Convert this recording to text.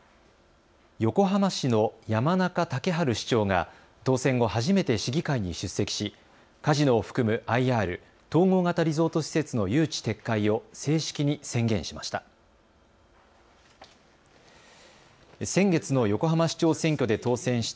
横浜市の山中竹春市長が当選後初めて市議会に出席しカジノを含むＩＲ・統合型リゾート施設の誘致撤回を正式に宣言しました。